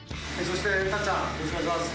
よろしくお願いします。